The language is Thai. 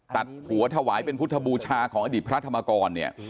ตัดหัวถวายเป็นพุทธบูชาของอดีตพระธรรมกรเนี่ย